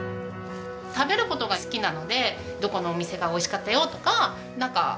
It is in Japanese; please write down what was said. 食べる事が好きなのでどこのお店がおいしかったよとかなんか。